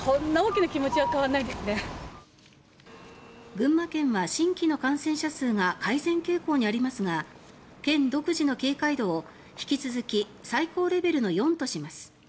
群馬県は新規の感染者数が改善傾向にありますが県独自の警戒度を引き続き最高レベルの４とします。